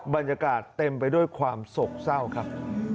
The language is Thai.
บรรยากาศเต็มไปด้วยความโศกเศร้าครับ